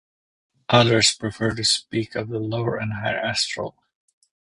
Others prefer to speak of the "lower and higher astral".